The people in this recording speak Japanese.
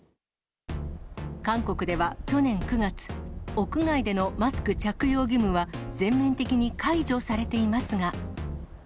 韓国では去年９月、屋外でのマスク着用義務は全面的に解除されていますが。